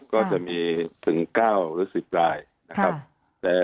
ก็จะมีถึง๙หรือ๑๐รายนะครับ